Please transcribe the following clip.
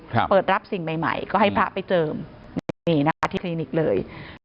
เปิดรับสิ่งใหม่ใหม่ก็ให้พระไปเจิมนี่นี่นะคะที่คลินิกเลย